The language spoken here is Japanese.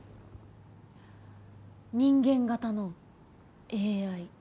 人間型のＡＩ。